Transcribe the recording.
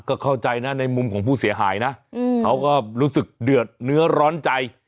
ก็เข้าใจนะในมุมของผู้เสียหายนะเขาก็รู้สึกเดือดเนื้อร้อนใจ